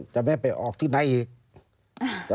จะไม่ไปออกที่ไหนอีก